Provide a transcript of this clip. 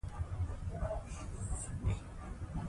سند به چمتو کیږي.